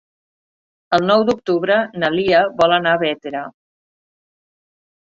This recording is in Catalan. El nou d'octubre na Lia vol anar a Bétera.